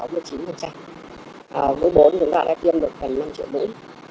mỗi bốn chúng ta đã tiêm được gần năm triệu mũi